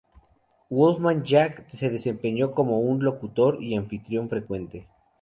Wolfman Jack se desempeñó como locutor y anfitrión frecuente.